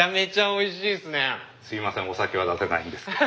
お酒は出せないんですけど。